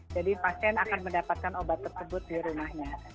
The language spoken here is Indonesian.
jadi pasien akan mendapatkan obat tersebut di rumahnya